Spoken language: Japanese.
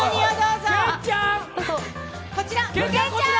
こちら！